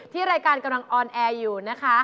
รายการกำลังออนแอร์อยู่นะคะ